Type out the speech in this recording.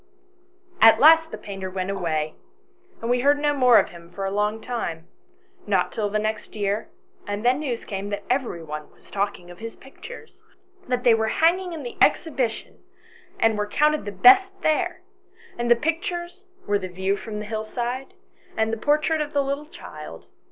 "At last the painter went away, and we heard no more of him for a long time, not till the next year, and then news came that every one was talking of his pictures that they were hanging in the Exhibition, and were counted the best there and the pictures were the view from the hillside and the portrait of the little child.